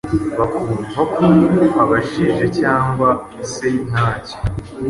bakumva ko abashije cyangwa se ntacyo